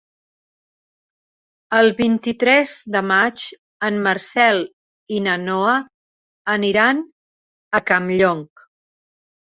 El vint-i-tres de maig en Marcel i na Noa aniran a Campllong.